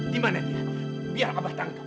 di mana dia biar abah tangkap